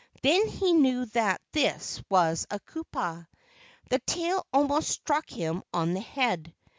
Then he knew that this was a kupua. The tail almost struck him on the head.